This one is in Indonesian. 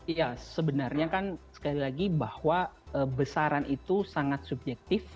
ya sebenarnya kan sekali lagi bahwa besaran itu sangat subjektif